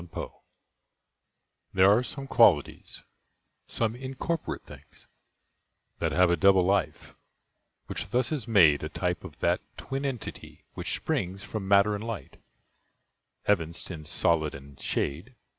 SILENCE There are some qualities—some incorporate things, That have a double life, which thus is made A type of that twin entity which springs From matter and light, evinced in solid and shade.